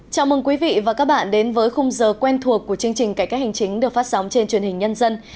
chào mừng quý vị và các bạn đến với khung giờ quen thuộc của chương trình cải cách hành chính được phát sóng trên truyền hình nhân dân